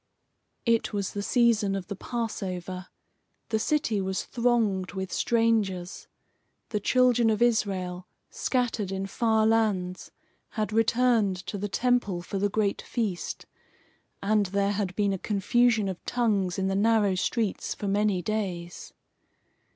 It was the season of the Passover. The city was thronged with strangers. The children of Israel, scattered in far lands, had returned to the Temple for the great feast, and there had been a confusion of tongues in the narrow streets for many days.